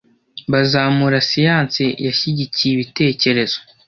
Bazamura siyanse yashyigikiye ibitekerezo